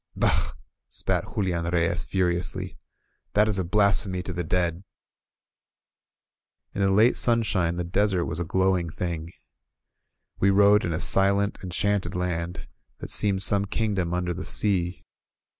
'^Bah !" spat Julian Reyes furiously. ^^That is a blasphemy to the dead !" In the late sunshine the desert was a glowing thing. We rode in a silent, enchanted land, that seemed some kingdom under the sea.